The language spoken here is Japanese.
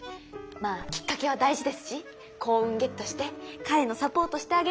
まあきっかけは大事ですし幸運ゲットして彼のサポートしてあげたいんですよねー。